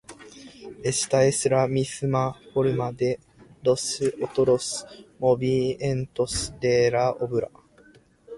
Ésta es la misma forma de los otros movimientos de la obra.